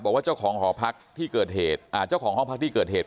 บอกว่าเจ้าของหอพักที่เกิดเหตุอ่าเจ้าของห้องพักที่เกิดเหตุ